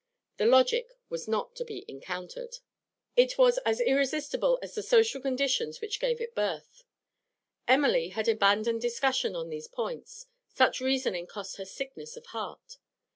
The logic was not to be encountered; it was as irresistible as the social conditions which gave it birth. Emily had abandoned discussion on these points; such reasoning cost her sickness of heart.